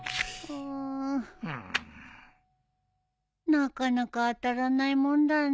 なかなか当たらないもんだね。